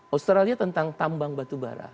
australia tentang tambang batu bara